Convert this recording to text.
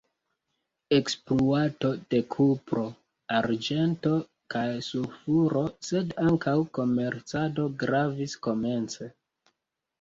Ekspluato de kupro, arĝento kaj sulfuro sed ankaŭ komercado gravis komence.